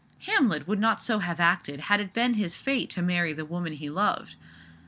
Hamlet would not so have acted had it been his fate to marry the woman he loved.